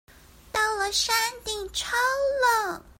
到了山頂超冷